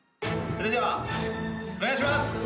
それではお願いします！